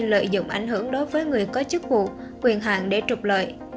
lợi dụng ảnh hưởng đối với người có chức vụ quyền hạn để trục lợi